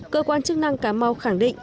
cơ quan chức năng cà mau khẳng định